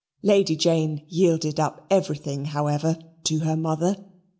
Lady Jane yielded up everything, however, to her mother.